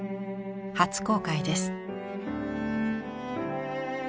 初公開です。